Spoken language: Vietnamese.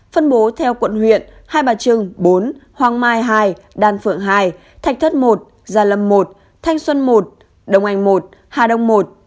phân bố theo quận huyện hai bà trưng bốn hoàng mai hai đan phượng hai thạch thất i gia lâm một thanh xuân một đông anh một hà đông một